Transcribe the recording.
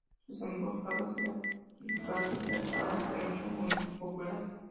Sus emboscadas y latigazos les han hecho muy populares.